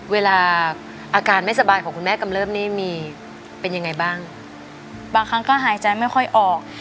เวลาอาการไม่สบายของคุณแม่กำเริบนี่มีเป็นยังไงบ้างบางครั้งก็หายใจไม่ค่อยออก